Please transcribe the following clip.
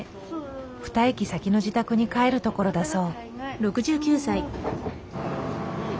２駅先の自宅に帰るところだそう。